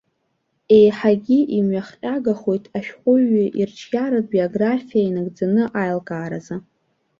Еиҳагьы имҩахҟьагахоит ашәҟәыҩҩы ирҿиаратә биографиа инагӡаны аилакааразы.